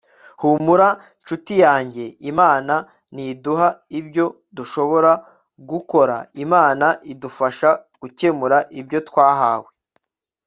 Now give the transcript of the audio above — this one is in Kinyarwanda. humura, nshuti yanjye imana ntiduha ibyo dushobora gukora, imana idufasha gukemura ibyo twahawe